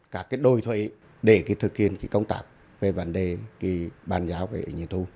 các cái đôi thuế để cái thực hiện cái công tác về vấn đề cái bàn giáo về nhiệm thu